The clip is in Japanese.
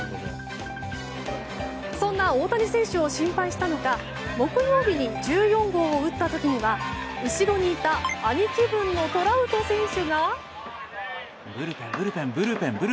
そんな大谷選手を心配したのか木曜日に１４号を打った時には後ろにいた兄貴分のトラウト選手が。